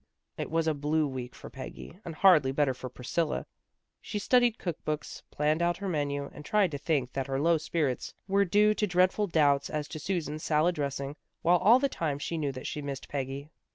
It was a blue week for Peggy, and hardly better for Priscilla. She studied cook books, planned out her menu, and tried to think that her low spirits were due to dreadful doubts as to Susan's salad dressing, while all the time she knew that she missed Peggy.